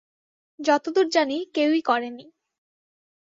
যতদূর জানি, কেউই করেনি।